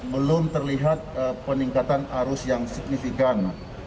belum terlihat peningkatan arus yang signifikan